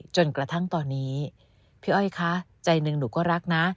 จนกระทั่งตอนนี้พี่อ้อยคะใจหนึ่งหนูก็รักนะ